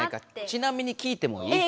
ちなみに聞いてもいい？